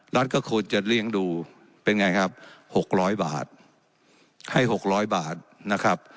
รัฐก็ควรจะเลี้ยงดูเป็นไงครับหกร้อยบาทให้หกร้อยบาทนะครับ